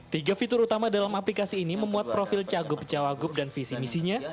tiga fitur utama dalam aplikasi ini memuat profil cagup cawagup dan visi misinya